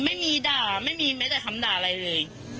ไม่มีด่าไม่มีแม้แต่คำด่าอะไรเลย